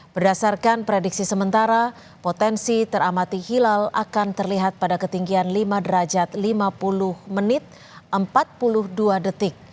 berdasarkan prediksi sementara potensi teramati hilal akan terlihat pada ketinggian lima derajat lima puluh menit empat puluh dua detik